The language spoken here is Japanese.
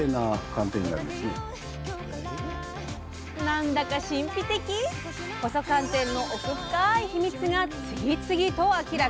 何だか神秘的⁉細寒天の奥深いヒミツが次々と明らかに！